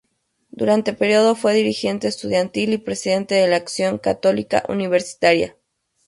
Durante este período fue dirigente estudiantil y presidente de la Acción Católica Universitaria.